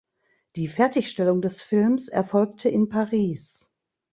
Die Fertigstellung des Films erfolgte in Paris.